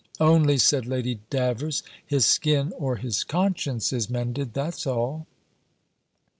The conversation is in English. "Only," said Lady Davers, "his skin or his conscience is mended, that's all."